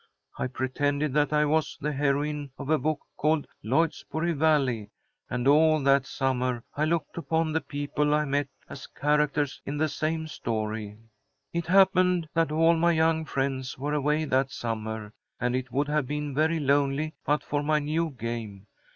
I pretended that I was the heroine of a book called 'Lloydsboro Valley,' and all that summer I looked upon the people I met as characters in the same story. "It happened that all my young friends were away that summer, and it would have been very lonely but for my new game.